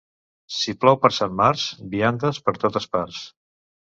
Si plou per Sant Marc, viandes per totes parts.